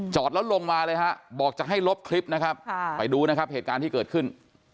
แล้วลงมาเลยฮะบอกจะให้ลบคลิปนะครับไปดูนะครับเหตุการณ์ที่เกิดขึ้น